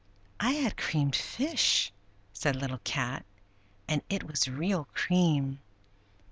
"I had creamed fish," said Little Cat; "and it was real cream.